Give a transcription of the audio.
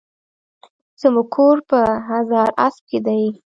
زموکور په هزاراسپ کی دي